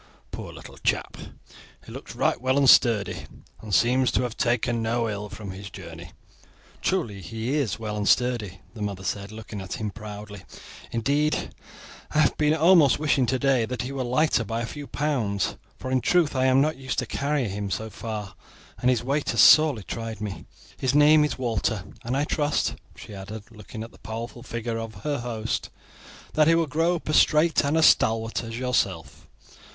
Poor little chap! He looks right well and sturdy, and seems to have taken no ill from his journey." "Truly, he is well and sturdy," the mother said, looking at him proudly; "indeed I have been almost wishing today that he were lighter by a few pounds, for in truth I am not used to carry him far, and his weight has sorely tried me. His name is Walter, and I trust," she added, looking at the powerful figure of her host, "that he will grow up as straight and as stalwart as yourself."